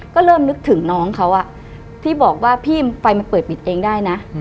ก็เริ่มนึกถึงน้องเขาที่บอกว่าพี่ไฟมันเปิดปิดเองได้นะ